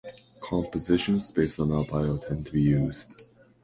Compositions based on Al-BiO tend to be used.